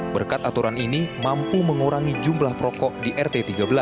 berkat aturan ini mampu mengurangi jumlah perokok di rt tiga belas